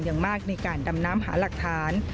อย่างมากในการดำน้ำหาหลักฐาน